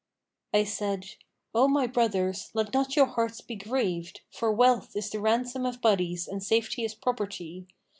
I said, 'O my brothers, let not your hearts be grieved, for wealth is the ransom of bodies and safety is property.